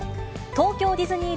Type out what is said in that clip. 東京ディズニー